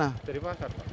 dari pasar pak